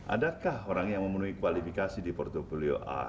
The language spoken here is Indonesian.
adakah orang yang memenuhi kualifikasi di porto pulido a